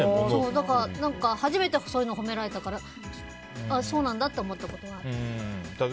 初めてそういうのが褒められたからそうなんだって思ったことがある。